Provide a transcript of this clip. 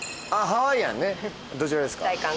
ハワイアンねどちらですか？